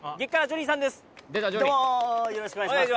よろしくお願いします